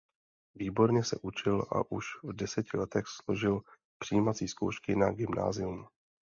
Výborně se učil a už v deseti letech složil přijímací zkoušky na gymnázium.